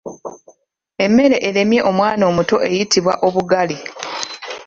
Emmere eremye omwana omuto eyitibwa Obugali.